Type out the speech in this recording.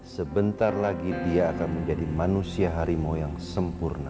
sebentar lagi dia akan menjadi manusia harimau yang sempurna